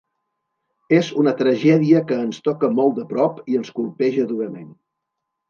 És una tragèdia que ens toca molt de prop i ens colpeja durament.